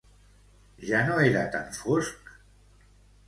Ja no era tan fosc?